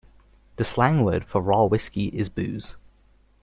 The slang word for raw whiskey is booze.